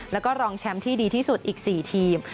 แล้วก็รองแชมป์ที่ดีที่สุดอีก๔ทีม